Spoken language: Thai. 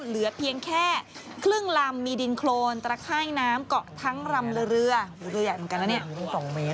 เหลือเพียงแค่ครึ่งลำมีดินโครนแต่ละค่ายน้ำเกาะทั้งลำเรือเรือ